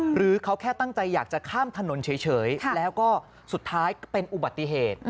หรือเขาแค่ตั้งใจอยากจะข้ามถนนเฉยแล้วก็สุดท้ายเป็นอุบัติเหตุ